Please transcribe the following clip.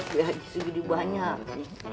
dp aja sudah banyak sih